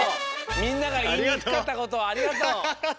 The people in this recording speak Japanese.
みんながいいにくかったことをありがとう。